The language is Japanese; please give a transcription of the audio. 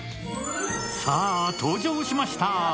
さあ登場しました。